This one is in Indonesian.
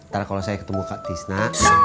ntar kalau saya ketemu kak tisna